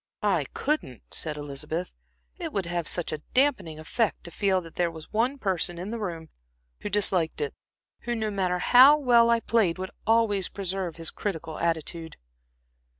"I couldn't," said Elizabeth, "it would have such a dampening effect to feel that there was one person in the room who disliked it, who, no matter how well I played, would always preserve his critical attitude.